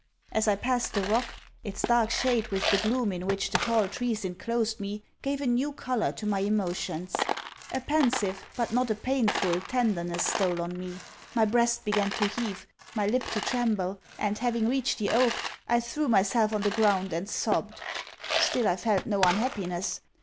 As I passed the rock, its dark shade, with the gloom in which the tall trees inclosed me, gave a new colour to my emotions. A pensive, but not a painful, tenderness stole on me. My breast began to heave, my lip to tremble: and, having reached the oak, I threw myself on the ground and sobbed. Still I felt no unhappiness.